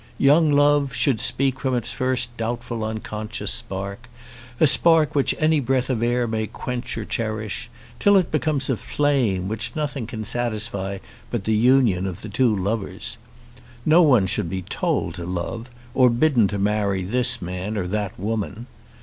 Young love should speak from its first doubtful unconscious spark, a spark which any breath of air may quench or cherish, till it becomes a flame which nothing can satisfy but the union of the two lovers. No one should be told to love, or bidden to marry, this man or that woman.